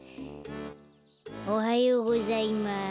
おはようございます。